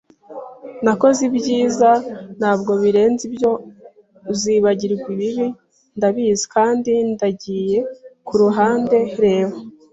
Nakoze ibyiza, ntabwo birenze ibyo uzibagirwa ibibi, ndabizi. Kandi ndagiye kuruhande - reba